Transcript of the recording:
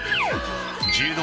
柔道